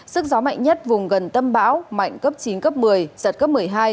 sức gió mạnh nhất vùng gần tâm bão mạnh cấp chín cấp một mươi giật cấp một mươi hai